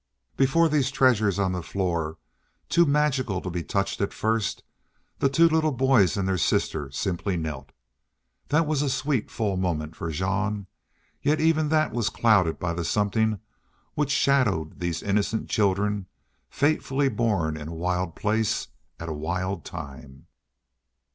Before these treasures on the floor, too magical to be touched at first, the two little boys and their sister simply knelt. That was a sweet, full moment for Jean; yet even that was clouded by the something which shadowed these innocent children fatefully born in a wild place at a wild time.